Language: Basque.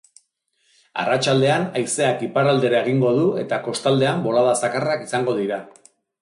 Arratsaldean haizeak iparraldera egingo du eta kostaldean bolada zakarrak izango dira.